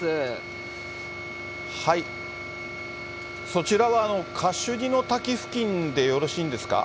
そちらはカシュニの滝付近でよろしいんですか？